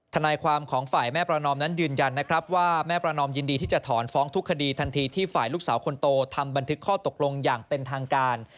ทนายความของฝ่ายแม่ประนอมนั้นยืนยันนะครับว่าแม่ประนอมยินดีที่จะถอนฟ้องทุกคดีทันทีที่ฝ่ายลูกสาวคนโตทำบันทึกข้อตกลงอย่างเป็นทางการ